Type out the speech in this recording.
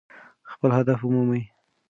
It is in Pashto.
خپل هدف ومومئ.